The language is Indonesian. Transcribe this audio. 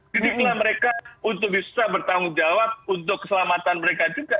jadi inilah mereka untuk bisa bertanggung jawab untuk keselamatan mereka juga